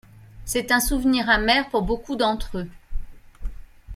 C'est un souvenir amer pour beaucoup d'entre eux.